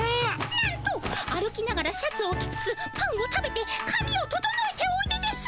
なんと歩きながらシャツを着つつパンを食べてかみを整えておいでです。